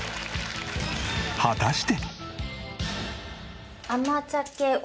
果たして。